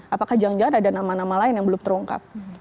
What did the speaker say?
apakah jangan jangan ada nama nama lain yang belum terungkap